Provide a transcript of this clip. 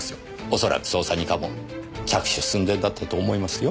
恐らく捜査二課も着手寸前だったと思いますよ。